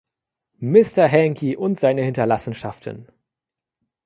Mister Hanky und seine Hinterlassenschaften.